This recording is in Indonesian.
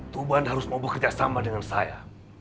tuban harus mau bekerjasama dengan saya